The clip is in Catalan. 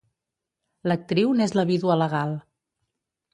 L'actriu n'és la vídua legal.